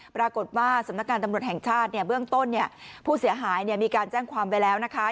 ปรากฏว่าสำนักงานตำรวจแห่งชาติเนี่ยเบื้องต้นเนี่ยผู้เสียหายมีการแจ้งความไปแล้วนะคะ